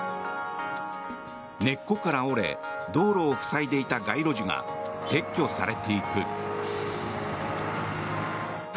根っこから折れ道路を塞いでいた街路樹が撤去されていく。